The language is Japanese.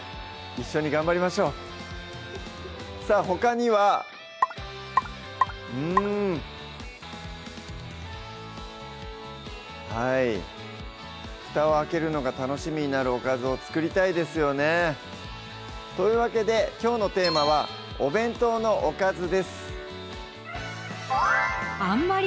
一緒に頑張りましょうさぁほかにはうんはいふたを開けるのが楽しみになるおかずを作りたいですよねというわけできょうのテーマは「お弁当のおかず」です